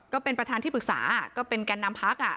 ก็เป็นประธานที่ปรึกษาก็เป็นแก่นนำพัก